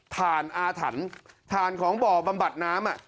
ฐานอาถรรพ์ถ่านของบ่อบำบัดน้ำ